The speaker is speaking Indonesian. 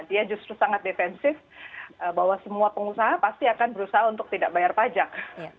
dia justru sangat defensif bahwa semua pengusaha pasti akan berusaha untuk tidak bayar pajak